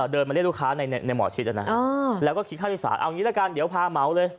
เดินมาเรียนลูกค้าในหมอชิตอ่ะนะฮะแล้วก็คิดข้าวโดยสารเอานี้ละกันเดี๋ยวพาเมาส์เลย